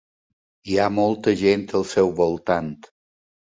Hi ha molta gent al seu voltant.